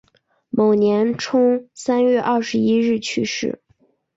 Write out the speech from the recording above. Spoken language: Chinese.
某年春三月二十一日去世。